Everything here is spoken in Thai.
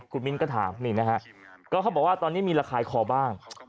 คุณมิ้นก็ถามนี่นะฮะก็เขาบอกว่าตอนนี้มีระคายคอบ้าง